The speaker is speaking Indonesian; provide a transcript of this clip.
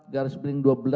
garis miring dua belas